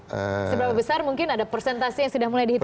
seberapa besar mungkin ada presentasi yang sudah mulai dihitung